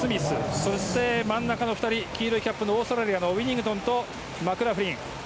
そして真ん中の２人黄色いキャップのオーストラリアのウィニングトンとマクラフリン。